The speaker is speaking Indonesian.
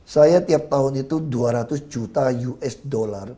saya tiap tahun itu dua ratus juta usd